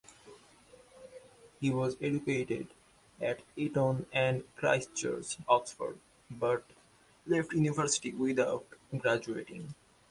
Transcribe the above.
He was educated at Eton and Christ Church, Oxford, but left university without graduating.